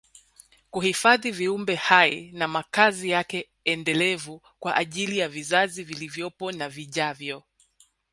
kuhifadhi viumbe hai na makazi yake endelevu kwa ajili ya vizazi vilivyopo na vijavyo